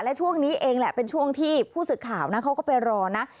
และช่วงนี้เองแหละเป็นช่วงที่ผู้สื่อข่าวนะเขาก็ไปรอนะ